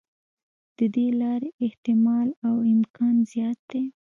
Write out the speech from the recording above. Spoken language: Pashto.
د دې لارې احتمال او امکان زیات دی.